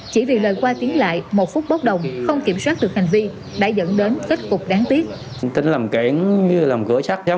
chỉ vì lời qua tiếng lại một phút bốc đồng không kiểm soát được hành vi đã dẫn đến kết cục đáng tiếc